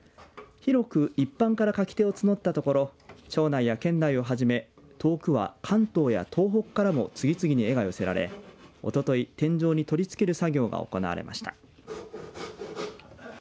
広く一般から描き手を募ったところ町内や県内をはじめ遠くは関東や東北からも次々に絵が寄せられ、おととい天井に取りつける作業が行われました。